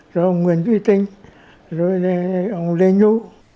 rồi ông nguyễn duy trinh rồi ông lê nhu